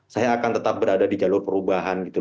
saya akan tetap berada di jalur perubahan gitu